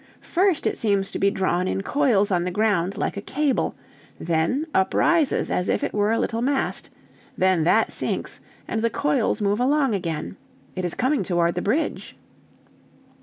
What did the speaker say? first it seems to be drawn in coils on the ground like a cable, then uprises as if it were a little mast, then that sinks, and the coils move along again. It is coming toward the bridge."